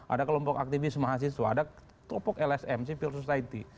ada kelompok aktivisme mahasiswa ada kelompok lsm civil society